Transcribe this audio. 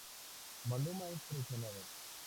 Maluma es traicionado.